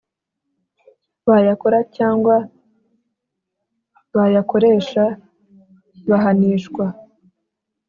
bayakora cyangwa bayakoresha bahanishwa